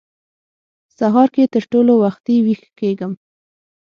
سهار کې تر ټولو وختي وېښ کېږم.